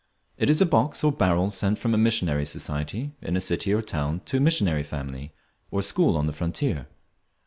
It is a box or barrel sent from a missionary society in a city or town to a missionary family or school on the frontier.